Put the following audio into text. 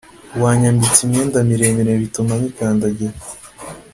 wanyambitse imyenda miremire bituma nyikandagira